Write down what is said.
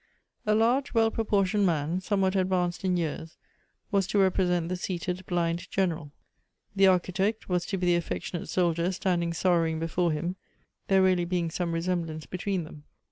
A large well ]>roportioned man, somewhat advanced in years, was to represent the seated, blind general. The Architect was to be the affectionate soldier standing sorrowing before him, there really being some resemblance between them.